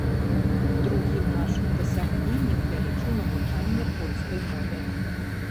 Другім нашым дасягненнем я лічу навучанне польскай мове.